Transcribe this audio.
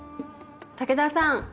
武田さん